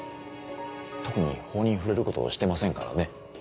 特に法に触れることしてませんからね。